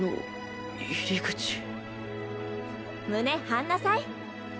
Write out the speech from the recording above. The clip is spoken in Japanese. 胸張んなさい。